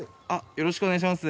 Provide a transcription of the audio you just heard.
よろしくお願いします。